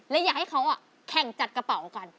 และอยากให้เขาแข่งจัดกระเป๋ากัน